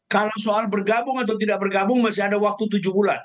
kalau soal bergabung atau tidak bergabung masih ada waktu tujuh bulan